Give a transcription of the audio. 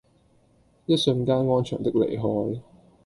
一瞬間安詳的離開